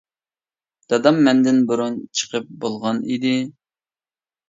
دادام مەندىن بۇرۇن چىقىپ بولغان ئىدى.